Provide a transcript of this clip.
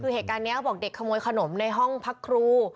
คือเหตุการณ์นี้บอกเด็กขโมยขนมในห้องพักครู